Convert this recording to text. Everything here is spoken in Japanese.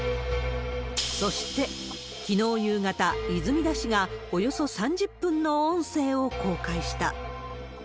そして、きのう夕方、泉田氏がおよそ３０分の音声を公開した。